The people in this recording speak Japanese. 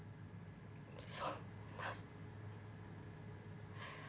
そんな。